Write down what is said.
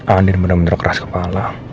al andin bener bener keras kepala